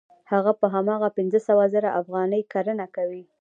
هغه په هماغه پنځه سوه زره افغانۍ کرنه کوي